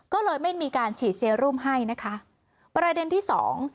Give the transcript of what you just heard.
ก็เลยไม่มีการฉีดเซรุมให้นะคะประเด็นที่สอง